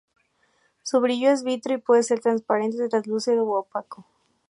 Su brillo es vítreo y puede ser transparente, translúcido u opaco.